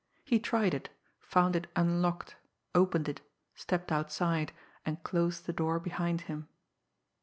He tried it, found it unlocked, opened it, stepped outside, and closed the door behind him.